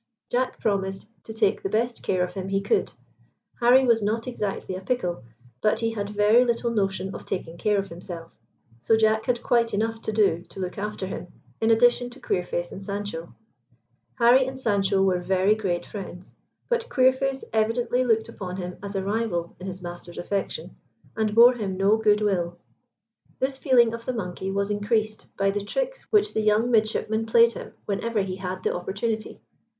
Jack promised to take the best care of him he could. Harry was not exactly a pickle, but he had very little notion of taking care of himself; so Jack had quite enough to do to look after him, in addition to Queerface and Sancho. Harry and Sancho were very great friends, but Queerface evidently looked upon him as a rival in his master's affections, and bore him no good will. This feeling of the monkey was increased by the tricks which the young midshipman played him whenever he had the opportunity.